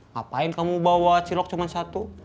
ngapain kamu bawa cilok cuma satu